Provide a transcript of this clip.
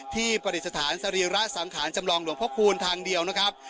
ประดิษฐานสรีระสังขารจำลองหลวงพระคูณทางเดียวนะครับ